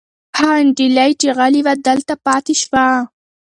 هغه نجلۍ چې غلې وه دلته پاتې شوه.